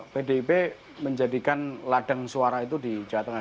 pdip menjadikan ladang suara itu di jawa tengah